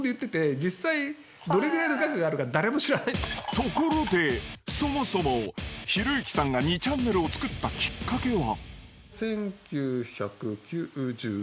ところでそもそもひろゆきさんが２ちゃんねるを作ったきっかけは？